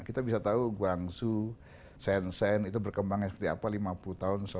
kita bisa tahu guangzhou sensen itu berkembangnya seperti apa lima puluh tahun